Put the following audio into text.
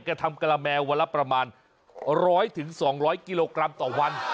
ทำกะละแมววันละประมาณ๑๐๐๒๐๐กิโลกรัมต่อวัน